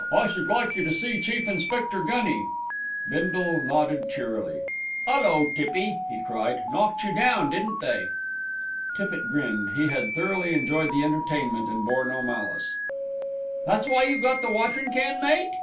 I should like you to see Chief Inspector Gunny." Bindle nodded cheerily. "'Ullo, Tippy!" he cried, "knocked you down, didn't they?" Tippitt grinned, he had thoroughly enjoyed the entertainment and bore no malice. "That's why you got the watering can, mate?"